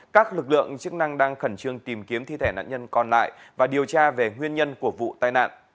các lực lượng chức năng đang khẩn trương tìm kiếm thi thể nạn nhân còn lại và điều tra về nguyên nhân của vụ tai nạn